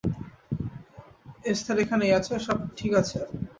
Esther এখানেই আছে, সব ঠিক আছে।